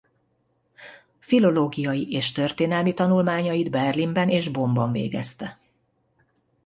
Filológiai és történelmi tanulmányait Berlinben és Bonnban végezte.